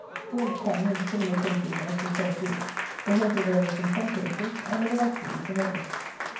Whence come (in similar cases as to self woods) the hurtleberries in some places, and the raspberries in others?